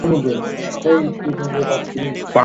Manchester ইউনাইটেডের তরে!